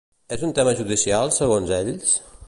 És un tema judicial, segons ells?